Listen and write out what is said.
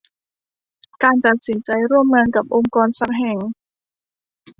การตัดสินใจร่วมงานกับองค์กรสักแห่ง